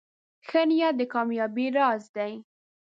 ښه نیت د کامیابۍ راز دی.